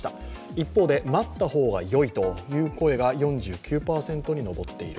一方で待った方がよいという声が４９％に上っている。